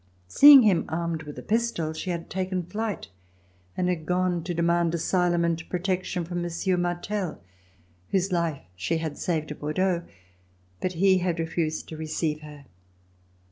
Seeing him armed with a pistol, she had taken flight and had gone to demand asylum and protection from Monsieur Martell, whose life she had saved at Bordeaux, but he had refused to receive her.